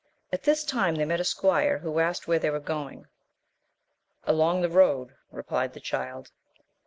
At this time they met a squire, who asked where they were going, AJong the road, replied the Child.